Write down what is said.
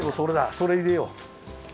それいれよう！